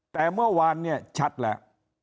แต่เมื่อวานเนี่ยชัดแล้ว